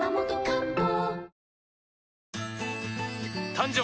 誕生！